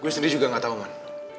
gue sendiri juga gak tau man